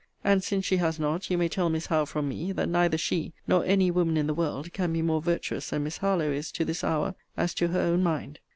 And, since she has not, you may tell Miss Howe from me, that neither she, nor any woman in the world can be more virtuous than Miss Harlowe is to this hour, as to her own mind.